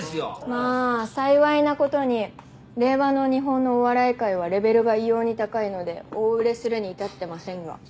まあ幸いなことに令和の日本のお笑い界はレベルが異様に高いので大売れするに至ってませんが。